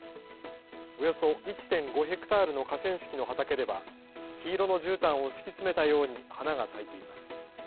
およそ１．５ヘクタールの河川敷の畑では黄色のじゅうたんを敷き詰めたように花が咲いています。